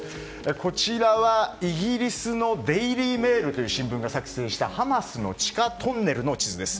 こちらはイギリスのデイリー・メールという新聞が作成したハマスの地下トンネルの地図です。